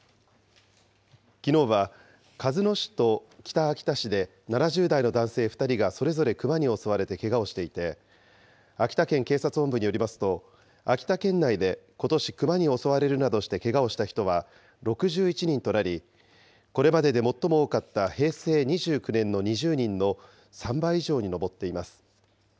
きのうは鹿角市と北秋田市で、７０代の男性２人がそれぞれクマに襲われてけがをしていて、秋田県警察本部によりますと、秋田県内でことし、クマに襲われるなどしてけがをした人は６１人となり、これまでで最も多かった平成２９年の２０人の３倍以上に上っています。